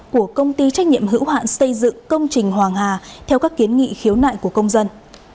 của công ty trách nhiệm hữu hạn xây dựng công trình hoàng hà theo các kiến nghị khiếu nại của công dân